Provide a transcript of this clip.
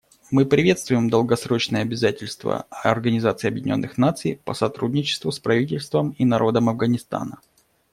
Мы приветствуем долгосрочные обязательства Организации Объединенных Наций по сотрудничеству с правительством и народом Афганистана.